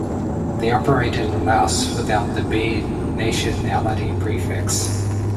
They operated in Laos without the B- nationality prefix.